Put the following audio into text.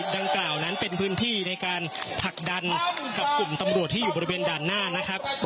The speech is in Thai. ดังกล่าวนั้นเป็นพื้นที่ในการผลักดันกับกลุ่มตำรวจที่อยู่บริเวณด่านหน้านะครับ